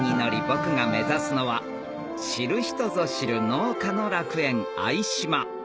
僕が目指すのは知る人ぞ知る農家の楽園相島